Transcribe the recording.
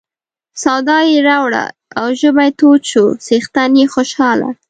سودا یې راوړه او ژمی تود شو څښتن یې خوشاله.